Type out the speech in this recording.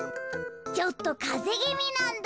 ちょっとかぜぎみなんだ。